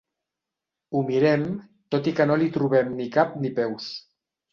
Ho mirem tot i que no li trobem ni cap ni peus.